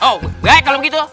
oh nggak kalau begitu